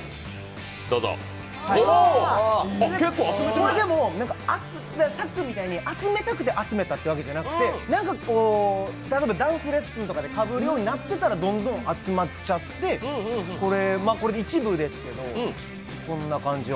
これでも、さっくんみたいに集めたくて集めてるというわけではなくてなんか例えばダンスレッスンでかぶるようになってたらどんどん集まっちゃって、これで一部ですけどこんな感じで。